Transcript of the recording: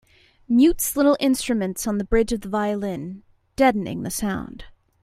Mutes little instruments on the bridge of the violin, deadening the sound.